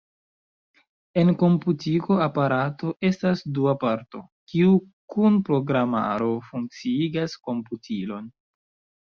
En komputiko aparato estas dua parto, kiu kun programaro funkciigas komputilon.